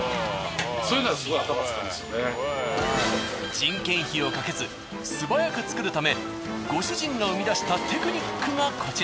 人件費をかけず素早く作るためご主人が生み出したテクニックがこちら。